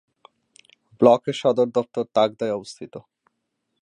ব্লকের সদর দফতর তাকদায় অবস্থিত।